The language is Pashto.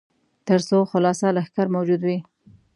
تر څو خلصه لښکر موجود وي.